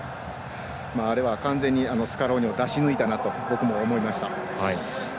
あれは、完全にスキャローニを出し抜いたなと僕も思いました。